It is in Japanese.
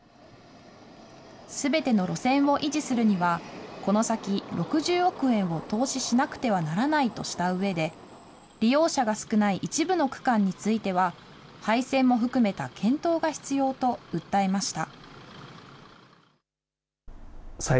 すべての路線を維持するには、この先６０億円を投資しなくてはならないとしたうえで、利用者が少ない一部の区間については、廃線も含めた検討が必要と訴えました。